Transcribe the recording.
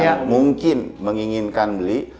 yang mungkin menginginkan beli